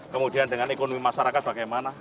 kemudian dengan ekonomi masyarakat bagaimana